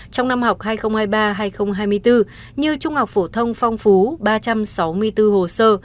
trong năm học hai nghìn hai mươi ba hai nghìn hai mươi bốn như trung học phổ thông phong phú ba trăm sáu mươi bốn hồ sơ